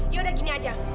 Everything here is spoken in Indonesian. ya udah gini aja